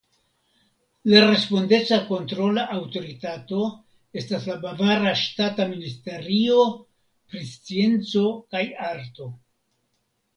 La respondeca kontrola aŭtoritato estas la Bavara Ŝtata Ministerio pri Scienco kaj Arto.